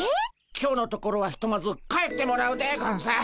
今日のところはひとまず帰ってもらうでゴンス。